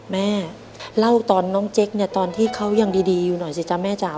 แม่เล่าตอนน้องเจ๊กเนี่ยตอนที่เขายังดีอยู่หน่อยสิจ๊ะแม่จ๋า